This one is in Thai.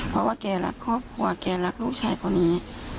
เพราะว่าแกรักครอบครัวแกรักลูกชายคนนี้